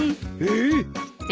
えっ！？